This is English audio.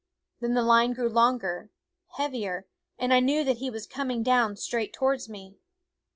Then the line grew longer, heavier; and I knew that he was coming down straight towards me.